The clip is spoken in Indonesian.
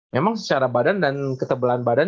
memang secara badan dan ketebelan badan